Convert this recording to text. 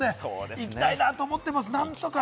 行きたいなと思ってます。